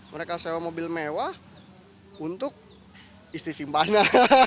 mereka sewa mobil mewah untuk istisimpana